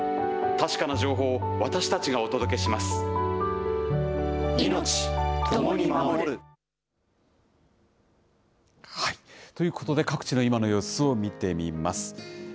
確かな情報を私たちがお届けします。ということで、各地の今の様子を見てみます。